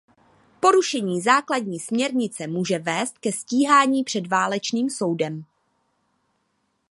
Porušení základní směrnice může vést ke stíhání před válečným soudem.